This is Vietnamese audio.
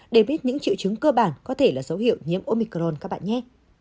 để biết những triệu chứng cơ bản có thể là dấu hiệu nhiễm omicron các bạn nhẹ